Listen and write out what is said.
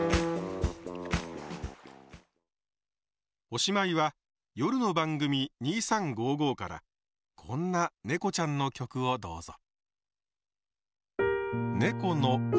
おしまいは夜の番組「２３５５」からこんなねこちゃんの曲をどうぞ。